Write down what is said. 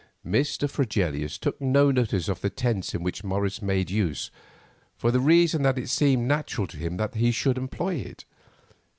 Mr. Fregelius took no notice of the tense of which Morris made use, for the reason that it seemed natural to him that he should employ it.